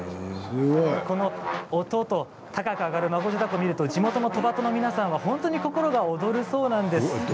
この音と高く揚がる孫次凧を見ると、地元の戸畑の皆さんは心が躍るそうなんです。